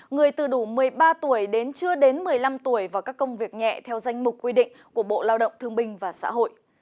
người từ đủ một mươi ba tuổi đến chưa đến một mươi năm tuổi vào các công việc nhẹ theo danh mục quy định của bộ lao động thương binh và xã hội